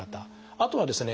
あとはですね